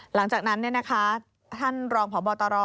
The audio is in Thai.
หลังจากนั้นท่านรองพบตร